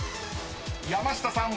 ［山下さん